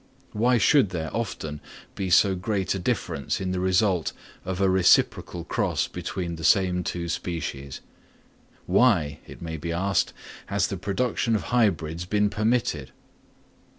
Why should there often be so great a difference in the result of a reciprocal cross between the same two species? Why, it may even be asked, has the production of hybrids been permitted?